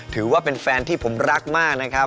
ถือว่าเป็นแฟนที่ผมรักมาก